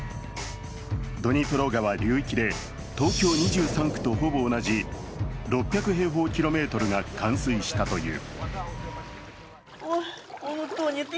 ドニプロ川流域で東京２３区とほぼ同じ６００平方キロメートルが冠水したという。